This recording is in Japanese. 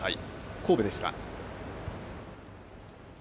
神戸でした。